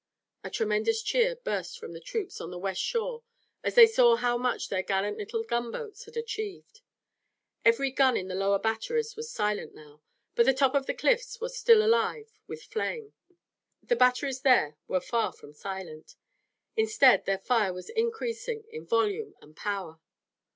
A tremendous cheer burst from the troops on the west shore as they saw how much their gallant little gunboats had achieved. Every gun in the lower batteries was silent now, but the top of the cliffs was still alive with flame. The batteries there were far from silent. Instead their fire was increasing in volume and power.